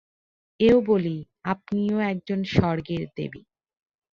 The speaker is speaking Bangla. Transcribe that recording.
এও বলি, আপনিও একজন স্বর্গের দেবী।